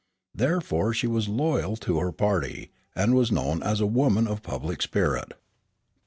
Therefore she was loyal to her party, and was known as a woman of public spirit.